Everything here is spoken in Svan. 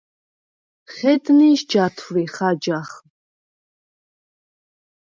ხედ ნინს ჯათვრიხ აჯაღ?